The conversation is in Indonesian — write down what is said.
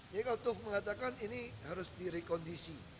jadi kalau tuf mengatakan ini harus direkondisi